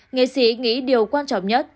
nghệ sĩ nghĩ điều quan trọng nhất